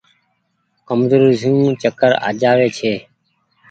ڪمزوري سون چڪر آ جآوي ڇي۔